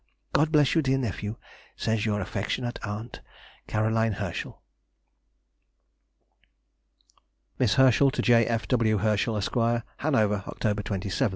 God bless you, dear nephew, Says your affectionate aunt, CAR. HERSCHEL. MISS HERSCHEL TO J. F. W. HERSCHEL, ESQ. HANOVER, Oct. 27, 1830.